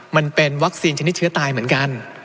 มันเป็นวัคซีนชนิดเชื้อตายเหมือนกัน